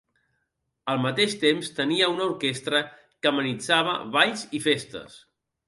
Al mateix temps tenia una orquestra que amenitzava balls i festes.